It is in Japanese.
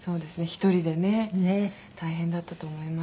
１人でね大変だったと思います。